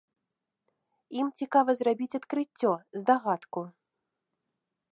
Ім цікава зрабіць адкрыццё, здагадку.